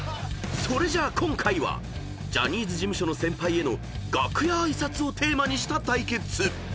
［それじゃ今回はジャニーズ事務所の先輩への楽屋挨拶をテーマにした対決］